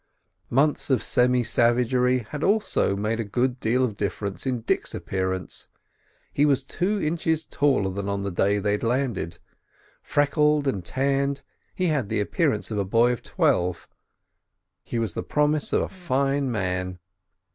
Months of semi savagery had made also a good deal of difference in Dick's appearance. He was two inches taller than on the day they landed. Freckled and tanned, he had the appearance of a boy of twelve. He was the promise of a fine man.